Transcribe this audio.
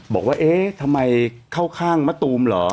บอกว่าเอ๊ะทำไมเข้าข้างมะตูมเหรอ